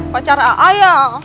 pacar aak ya